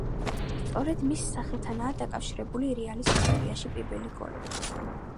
სწორედ მის სახელთანაა დაკავშირებული რეალის ისტორიაში პირველი გოლი.